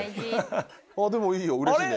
でもいいようれしいね。